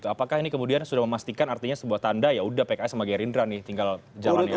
apakah ini kemudian sudah memastikan artinya sebuah tanda ya udah pks sama gerindra nih tinggal jalanin